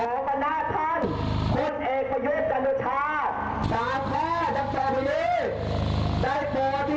ข้อที่สองทุกข์สะพานและจัดการเลือกตั้งหมาย